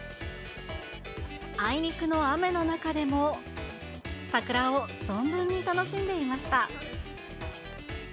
あいにくの雨の中でも、桜を存分に楽しんでいました。